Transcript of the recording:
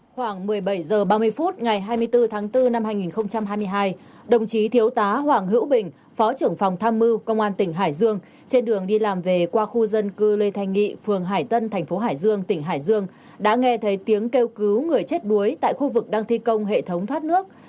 khoảng một mươi bảy h ba mươi phút ngày hai mươi bốn tháng bốn năm hai nghìn hai mươi hai đồng chí thiếu tá hoàng hữu bình phó trưởng phòng tham mưu công an tỉnh hải dương trên đường đi làm về qua khu dân cư lê thanh nghị phường hải tân thành phố hải dương tỉnh hải dương đã nghe thấy tiếng kêu cứu người chết đuối tại khu vực đang thi công hệ thống thoát nước